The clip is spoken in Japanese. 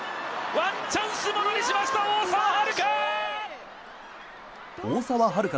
ワンチャンスを物にしました大澤春花！